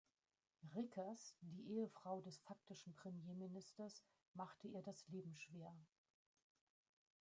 Rickers, die Ehefrau des faktischen Premierministers, machte ihr das Leben schwer.